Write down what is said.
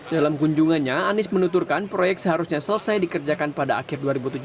dalam kunjungannya anies menuturkan proyek seharusnya selesai dikerjakan pada akhir dua ribu tujuh belas